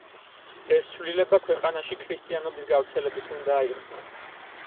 ეს ცვლილება ქვეყანაში ქრისტიანობის გავრცელებით უნდა აიხსნას.